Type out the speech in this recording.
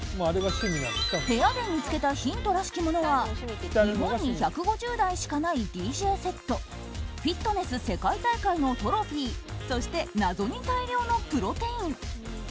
部屋で見つけたヒントらしきものは日本に１５０台しかないＤＪセットフィットネス世界大会のトロフィーそして、謎に大量のプロテイン。